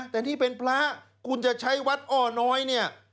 แต่นี่เป็นพระคุณจะใช้วัดอ้อน้อยเนี่ย